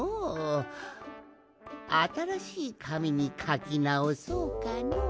あたらしいかみにかきなおそうかのう。